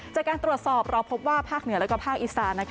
จากการตรวจสอบเราพบว่าภาคเหนือและภาคอีสาน